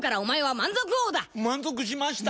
満足しました！